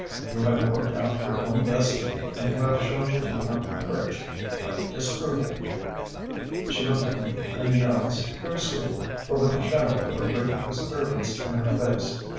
You have worked out your own destiny and you have shown that you have courage. Don't disprove it." She looked him in the eyes, very sweetly, but with the shadow of a great disturbance in her face.